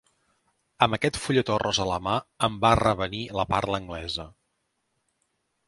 Amb aquell fulletó rosa a la mà em va revenir la parla anglesa.